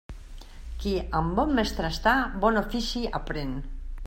Qui amb bon mestre està, bon ofici aprén.